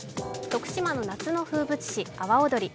徳島の夏の風物詩、阿波おどり。